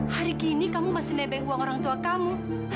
hari gini kamu masih nebeng uang orang tua kamu